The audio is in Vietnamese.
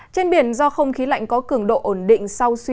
trên biển do không khí lạnh có cường độ ổn định